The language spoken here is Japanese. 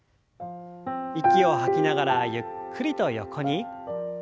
息を吐きながらゆっくりと横に。